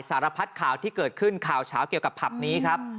สารพัดข่าวที่เกิดขึ้นข่าวเฉาเกี่ยวกับผับนี้ครับ